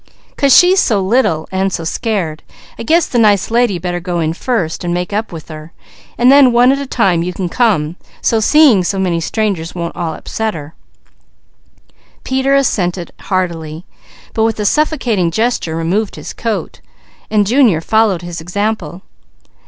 "'Cause she's so little and so scared, I guess the nice lady better go in first, and make up with her. Then one at a time you can come, so so many strangers won't upset her." Peter assented heartily, but with a suffocating gesture removed his coat, so Junior followed his example.